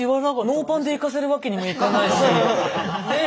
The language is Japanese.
ノーパンで行かせるわけにもいかないしねえ